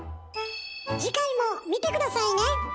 次回も見て下さいね！